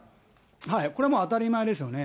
はい、これはもう当たり前ですよね。